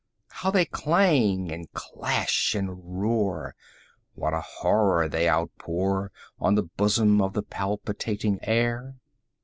How they clang, and clash, and roar! What a horror they outpour 55 On the bosom of the palpitating air!